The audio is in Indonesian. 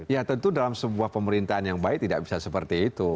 ya tentu dalam sebuah pemerintahan yang baik tidak bisa seperti itu